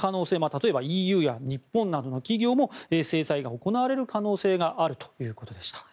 例えばＥＵや日本などの企業も制裁が行われる可能性があるということでした。